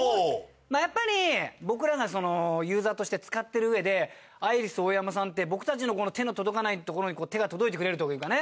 やっぱり僕らがユーザーとして使ってるうえでアイリスオーヤマさんって僕たちの手の届かないところに手が届いてくれるというかね。